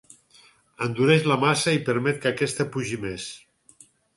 Endureix la massa i permet que aquesta pugi més.